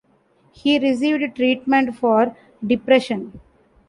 He received treatment for depression.